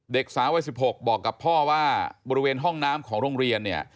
เด็กสาววัย๑๖บอกกับพ่อว่าบริเวณห้องน้ำของโรงเรียนเนี่ย